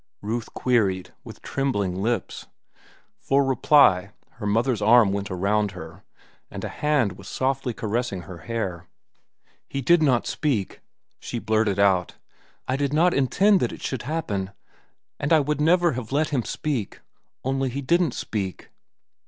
Ruth queried, with trembling lips. For reply, her mother's arm went around her, and a hand was softly caressing her hair. "He did not speak," she blurted out. "I did not intend that it should happen, and I would never have let him speak—only he didn't speak."